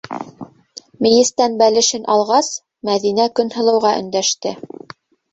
Мейестән бәлешен алғас, Мәҙинә Көнһылыуға өндәште: